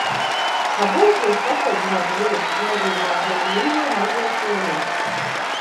Kā būtu, ja es pasteidzinātu lietas, nogalinot manu mīļo, mazo ķīlnieci?